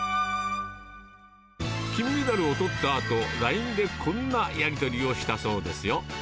金メダルをとったあと、ＬＩＮＥでこんなやり取りをしたそうですよ。